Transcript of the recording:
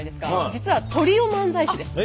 実はトリオ漫才師です。